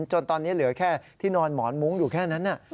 จนตอนนี้เหลือแค่ที่นอนหมอนมุ้งอยู่แค่นั้น